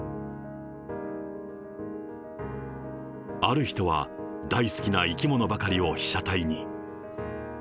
ある人は、大好きな生き物ばかりを被写体に。